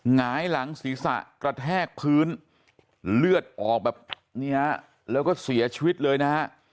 หงายหลังศรีสะกระแทกพื้น